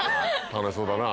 楽しそうだな。